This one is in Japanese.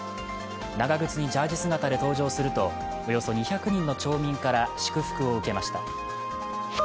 長靴にジャージ姿で登場するとおよそ２００人の町民から祝福を受けました。